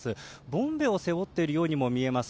ボンベを背負っているようにも見えます。